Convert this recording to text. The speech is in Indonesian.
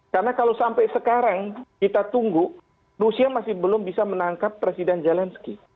karena kalau sampai sekarang kita tunggu rusia masih belum bisa menangkap presiden zelensky